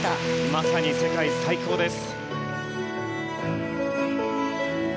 まさに世界最高です。